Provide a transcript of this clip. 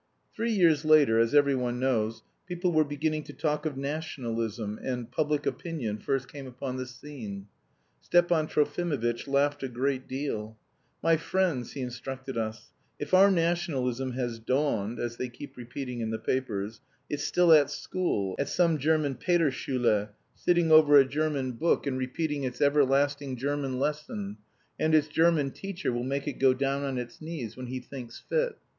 Three years later, as every one knows, people were beginning to talk of nationalism, and "public opinion" first came upon the scene. Stepan Trofimovitch laughed a great deal. "My friends," he instructed us, "if our nationalism has 'dawned' as they keep repeating in the papers it's still at school, at some German 'Peterschule,' sitting over a German book and repeating its everlasting German lesson, and its German teacher will make it go down on its knees when he thinks fit.